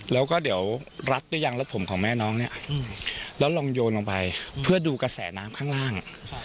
แล้วก็เดี๋ยวรัดหรือยังรัดผมของแม่น้องเนี่ยแล้วลองโยนลงไปเพื่อดูกระแสน้ำข้างล่าง